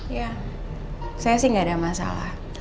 ya saya sih nggak ada masalah